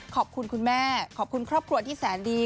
ขอบคุณคุณแม่ขอบคุณครอบครัวที่แสนดี